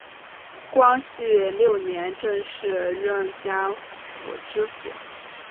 光绪六年正式任江宁府知府。